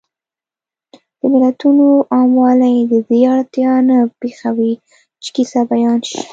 د متلونو عاموالی د دې اړتیا نه پېښوي چې کیسه بیان شي